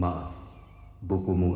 kalau kau mau mengambilnya